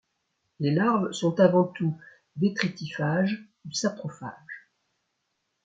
Les larves sont avant tout détritiphages ou saprophages.